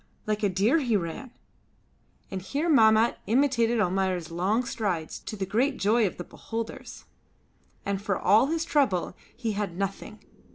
Like a deer he ran!" And here Mahmat imitated Almayer's long strides, to the great joy of the beholders. And for all his trouble he had nothing.